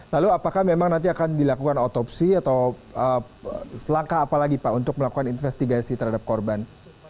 lalu apakah memang nanti akan dilakukan otopsi atau langkah apa lagi pak untuk melakukan investigasi terhadap korban